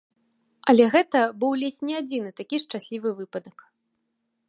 Але гэта быў ледзь не адзіны такі шчаслівы выпадак.